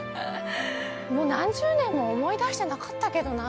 もう何十年も思い出してなかったけどな。